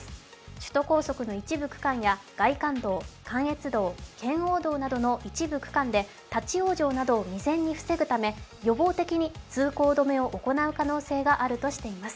首都高速の一部区間や外環道、関越道、圏央道などの一部区間で立往生などを未然に防ぐため予防的に通行止めを行う可能性があるとしています。